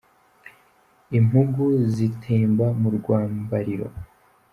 Imbugu zitemba mu rwambariro.